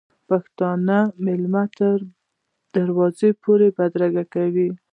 پښتون میلمه تر دروازې پورې بدرګه کوي.